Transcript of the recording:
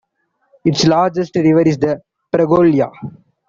Its largest river is the Pregolya.